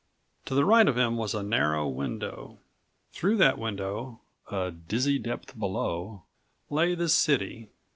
To the right of him was a narrow window. Through that window, a dizzy depth below, lay the city.